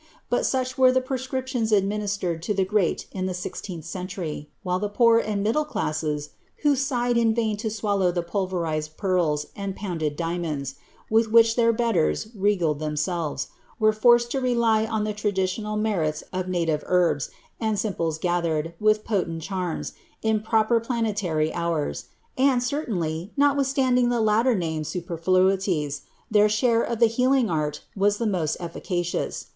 Bui such were die pre scriptions administered to the great in the sixteenth century, while the poor and the middle classes, who sighed in vain to swallow the piiKe rized pearls and pounded diamonds, with whicii their betters rffjlfil themselves, were forced to rely on the Iradilional merits of native lierlf, and simples gatiieretl, wiih potent charms, in proper planeiarv hour*; and certainly, nolwiihslanding ihe btter named superfluities, their sliare of the healing art was the most eflicacious.